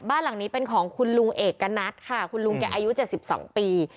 บ้านหลังนี้เป็นของคุณลุงเอกณัฐค่ะคุณลุงแกอายุ๗๒ปี